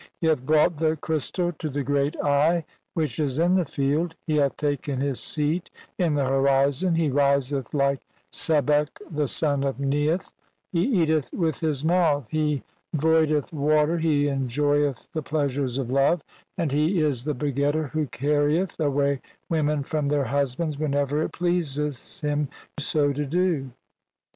He hath brought the "crystal to the Great Eye which is in the field, he "hath taken his seat in the horizon, he riseth like "Sebek the son of Neith, he eateth with his mouth, "he voideth water, he enjoyeth the pleasures of love, "and he is the begetter who carrieth away women "from their husbands whenever it pleaseth him so to "do".